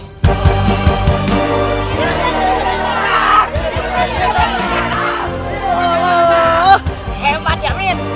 hebat ya amin